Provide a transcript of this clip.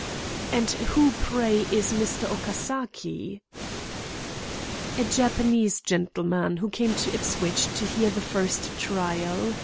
"And who, pray, is Mr. Okasaki?" "A Japanese gentleman, who came to Ipswich to hear the first trial.